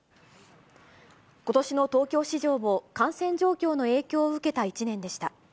ことしの東京市場も感染状況の影響を受けた一年でした。